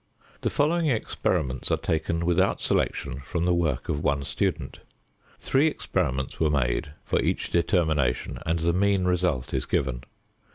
The following experiments are taken without selection from the work of one student. Three experiments were made for each determination, and the mean result is given.